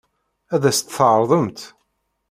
Ad as-tt-tɛeṛḍemt?